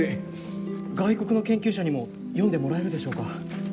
外国の研究者にも読んでもらえるでしょうか？